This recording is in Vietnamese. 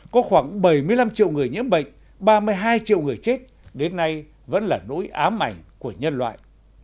có khoảng bảy mươi năm triệu người nhiễm bệnh ba mươi hai triệu người chết đến nay vẫn là nỗi ám ảnh của nhân loại